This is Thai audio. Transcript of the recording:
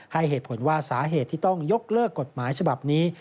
ให้เหตุผลว่าสาเหตุที่ต้องยกเลิกกฎหมายฉบับนี้